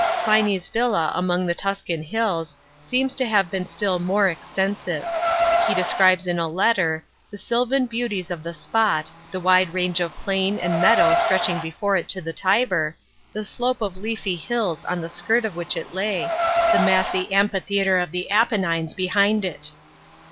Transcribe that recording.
Pliny's villa among the Tuscan hills, seems to have been still more extensive. He describes in a letter " the silvan beauties of the spot, the wide range of plain and meadow stretching before it to the Tiber, the slope of leafy hills on the skirt of which it lay, the massy amphitheatre of the Apennines behind it."